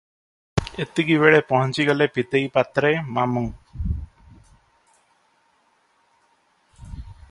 ଏତିକିବେଳେ ପହଞ୍ଚିଗଲେ ପିତେଇ ପାତ୍ରେ, ମାମୁଁ ।